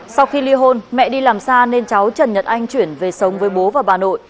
sau khi ly hôn mẹ đi làm xa nên cháu trần nhật anh chuyển về sống với bố và bà nội